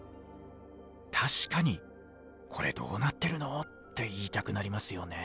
確かに「コレどうなってるの！？」って言いたくなりますよねえ。